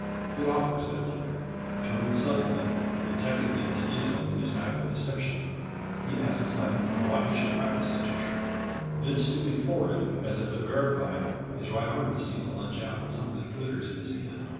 It offers at length. Turning suddenly, and detecting the mestizo in his act of deception, he asks laughingly why he should practice such a trick. Then stooping forward, as if to verify it, his right arm is seen to lunge out with something that glitters in his hand.